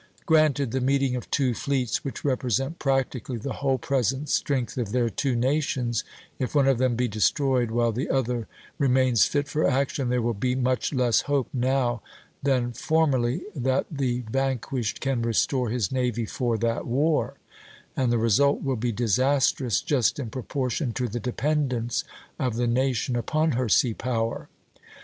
Granted the meeting of two fleets which represent practically the whole present strength of their two nations, if one of them be destroyed, while the other remains fit for action, there will be much less hope now than formerly that the vanquished can restore his navy for that war; and the result will be disastrous just in proportion to the dependence of the nation upon her sea power.